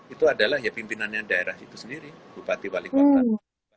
itu adalah pimpinannya daerah itu sendiri bupati wali kota